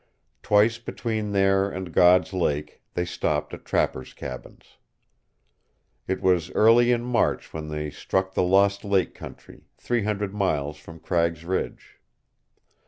Twice between there and God's Lake they stopped at trappers' cabins. It was early in March when they struck the Lost Lake country, three hundred miles from Cragg's Ridge.